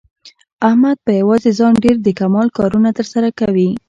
احمد په یووازې ځان ډېر د کمال کارونه تر سره کوي.